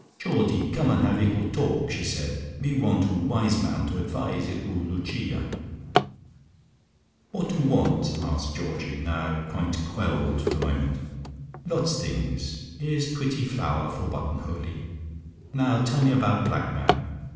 "Geordie, come and have ickle talk," she said. "Me want 'oo wise man to advise ickle Lucia." "What 'oo want?" asked Georgie, now quite quelled for the moment. "Lots things. Here's pwetty flower for button holie. Now tell me about black man.